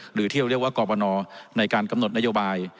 หรือที่เราเรียกว่ากรบนในการกำหนดนโยบาย